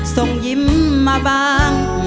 ส่งยิ้มมาบ้าง